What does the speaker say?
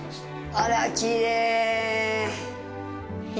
あら、きれい！